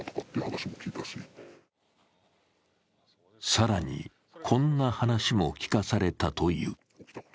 更に、こんな話も聞かされたという。